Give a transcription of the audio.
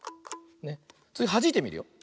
つぎはじいてみるよ。